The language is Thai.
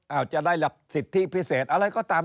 เอ้าจะได้สิทธิพิเศษอะไรก็ตาม